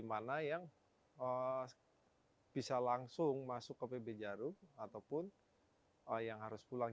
mana yang bisa langsung masuk ke pb jarum ataupun yang harus pulang